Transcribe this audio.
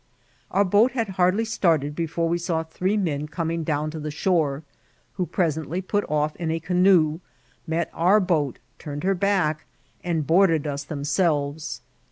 Our boat had hardly started before we saw three men coming down to the shore, who presently put off in a canoe, met our boat, tamed her back, and boarded us themselyes.